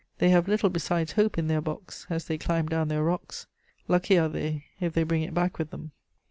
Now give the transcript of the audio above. They have little besides hope in their box, as they climb down their rocks: lucky are they if they bring it back with them!